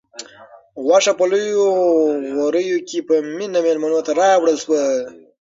غوښه په لویو غوریو کې په مینه مېلمنو ته راوړل شوه.